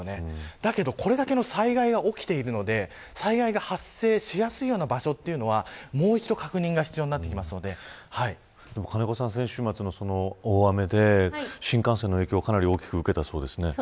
だけど、これだけの災害が起きているので災害が発生しやすいような場所というのはもう一度確認が金子さん、先週末の大雨で新幹線の影響をかなり大きく受けたそうですね。